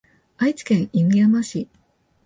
愛知県犬山市